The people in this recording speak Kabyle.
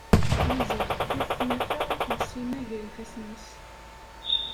Maziɣ tewwi-t tnafa akken Sima gar yifasen-is.